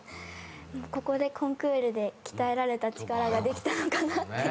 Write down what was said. ここでコンクールで鍛えられた力ができたのかなって。